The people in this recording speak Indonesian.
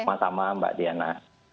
selamat malam mbak diana